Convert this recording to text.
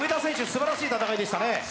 すばらしい戦いでしたね。